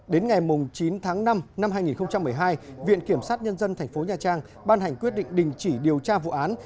đến ngày chín tháng năm năm hai nghìn một mươi hai viện kiểm sát nhân dân tp nha trang ban hành quyết định đình chỉ điều tra vụ án